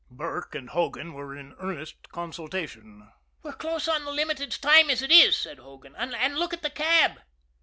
Burke and Hogan were in earnest consultation. "We're close on the Limited's time as it is," said Hogan. "And look at that cab."